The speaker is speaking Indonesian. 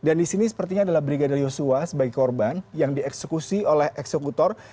dan di sini sepertinya adalah brigadir yosua sebagai korban yang dieksekusi oleh eksekutor